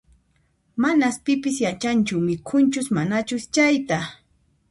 Manas pipis yachanchu mikhunchus manachus chayta